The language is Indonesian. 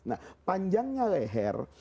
nah panjangnya leher